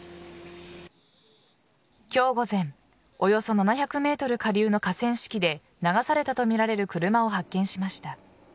今日午前およそ７００ｍ下流の河川敷で流されたとみられる車を発見しました。